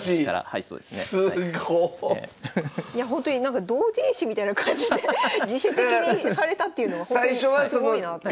いやほんとになんか同人誌みたいな感じで自主的にされたっていうのがほんとにすごいなって。